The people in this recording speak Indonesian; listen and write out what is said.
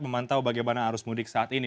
memantau bagaimana arus mudik saat ini